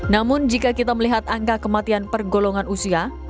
namun jika kita melihat angka kematian pergolongan usia